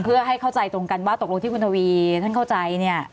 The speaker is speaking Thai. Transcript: เพื่อให้เข้าใจตรงกันว่าตกลงที่คุณทวีท่านเข้าใจเนี่ย